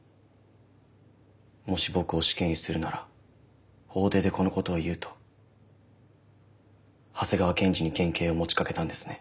もし僕を死刑にするなら法廷でこのことを言うと長谷川検事に減刑を持ちかけたんですね？